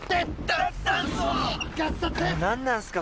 何なんすか？